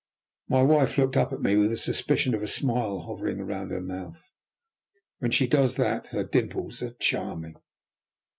My wife looked up at me with a suspicion of a smile hovering round her mouth. When she does that her dimples are charming.